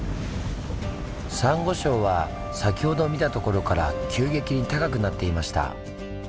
サンゴ礁は先ほど見たところから急激に高くなっていました。